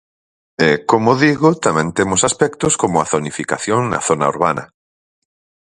E, como digo, tamén temos aspectos como a zonificación na zona urbana.